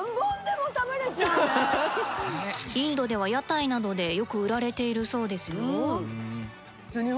インドでは屋台などでよく売られているそうですよ。